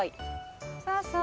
そうそう！